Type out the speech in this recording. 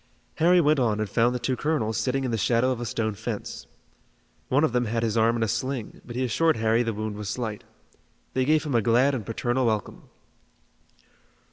Harry went on and found the two colonels sitting in the shadow of a stone fence. One of them had his arm in a sling, but he assured Harry the wound was slight. They gave him a glad and paternal welcome.